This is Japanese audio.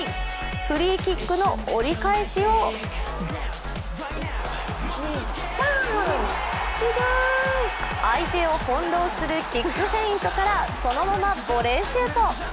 フリーキックの折り返しを相手を翻弄するキックフェイントからそのままボレーシュート。